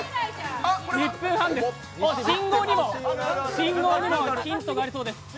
信号にもヒントがありそうです。